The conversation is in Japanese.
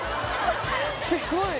すごい。